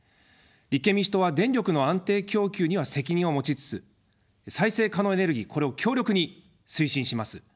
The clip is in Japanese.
立憲民主党は電力の安定供給には責任を持ちつつ再生可能エネルギー、これを強力に推進します。